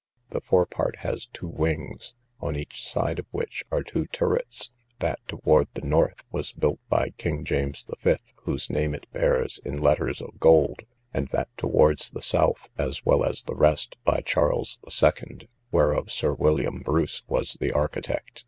The fore part has two wings, on each side of which are two turrets; that towards the north was built by King James V. whose name it bears in letters of gold; and that towards the south (as well as the rest) by Charles II, whereof Sir William Bruce was the architect.